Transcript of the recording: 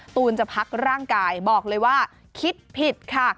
ตูนจะพักร่างกายบอกเลยว่าคิดผิดค่ะ